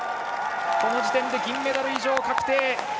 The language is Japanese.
この時点で銀メダル以上確定。